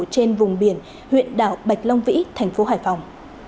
trên vùng biển huyện đảo bạch long vĩ thành phố hải phòng